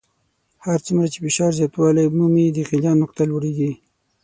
هر څومره چې فشار زیاتوالی مومي د غلیان نقطه لوړیږي.